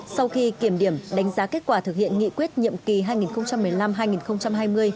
sau khi kiểm điểm đánh giá kết quả thực hiện nghị quyết nhiệm kỳ hai nghìn một mươi năm hai nghìn hai mươi